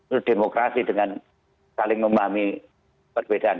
berdemokrasi dengan saling memahami perbedaan